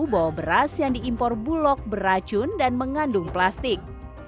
bahwa beras yang diimpor bulog beracun dan mengandung plastik